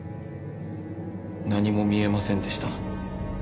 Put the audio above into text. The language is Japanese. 何も見えませんでした。